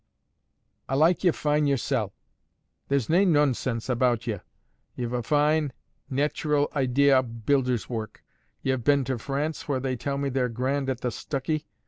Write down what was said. A like ye fine yoursel'; there's nae noansense aboot ye; ye've a fine nayteral idee of builder's work; ye've been to France, where they tell me they're grand at the stuccy.